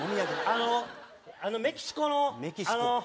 あのメキシコのあのメキシコ？